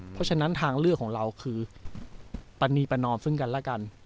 เพราะฉะนั้นทางเลือกของเราคือปรณีประนอมซึ่งกันและกัน